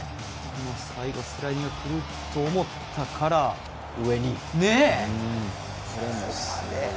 最後、スライディングくると思ったから上に。